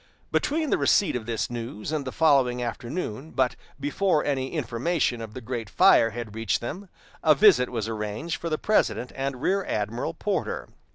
Between the receipt of this news and the following forenoon, but before any information of the great fire had reached them, a visit was arranged for the President and Rear Admiral Porter.